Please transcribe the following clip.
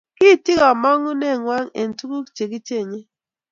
kiityi kamong'uneng'wany eng tukuk chekichenyei